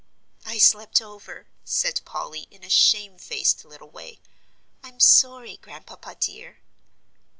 "I slept over," said Polly, in a shamefaced little way; "I'm sorry, Grandpapa dear."